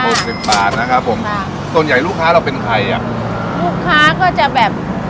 สิบบาทนะครับผมค่ะส่วนใหญ่ลูกค้าเราเป็นใครอ่ะลูกค้าก็จะแบบ